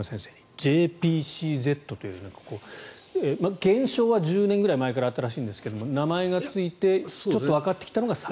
ＪＰＣＺという現象は１０年くらい前からあったらしいんですが名前がついてちょっとわかってきたのが最近。